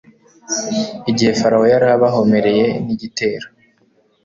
igihe farawo yari abahomereye n'igitero